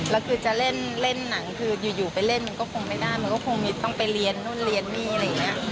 แล้วคือจะเล่นหนังคืออยู่ไปเล่นมันก็คงไม่ได้มันก็คงต้องไปเรียนนู่นเรียนนี่อะไรอย่างนี้